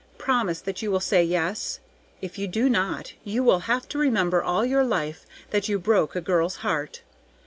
Promise that you will say yes; if you do not you will have to remember all your life that you broke a girl's heart.